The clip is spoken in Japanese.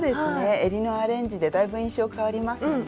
えりのアレンジでだいぶ印象変わりますもんね。